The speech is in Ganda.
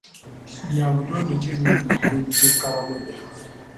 Bya butonde ki ebiri mu kitundu ky'e Karamoja?